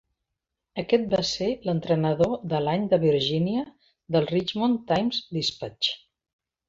Aquest va ser l'Entrenador de l'Any de Virgínia del "Richmond Times-Dispatch".